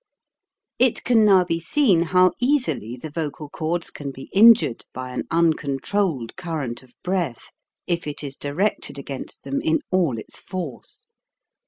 It can now be seen how easily the vocal cords can be injured by an uncontrolled cur rent of breath, if it is directed against them in all its force.